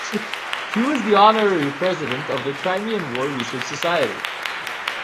He was the Honorary President of the Crimean War Research Society.